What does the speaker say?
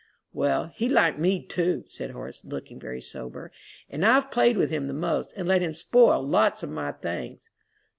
"Well, he liked me, too," said Horace, looking very sober, "and I've played with him the most, and let him spoil lots of my things."